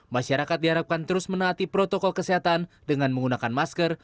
masyarakat diharapkan terus menaati protokol kesehatan dengan menggunakan masker